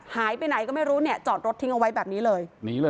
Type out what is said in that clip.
หายไปไหนก็ไม่รู้เนี่ยจอดรถทิ้งเอาไว้แบบนี้เลย